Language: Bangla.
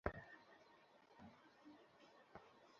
চল চল ভিতরে যা।